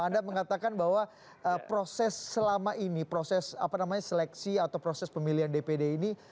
anda mengatakan bahwa proses selama ini proses seleksi atau proses pemilihan dprd ini